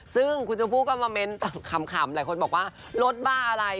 ซึ่งคุณชมพู่ก็มาเม้นขำหลายคนบอกว่ารถบ้าอะไร